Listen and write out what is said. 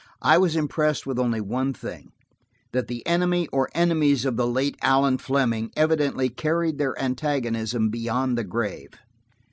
I was impressed with only one thing–that the enemy or enemies of the late Allan Fleming evidently carried their antagonism beyond the grave.